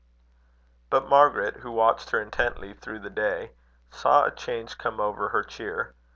But Margaret, who watched her intently through the day, saw a change come over her cheer.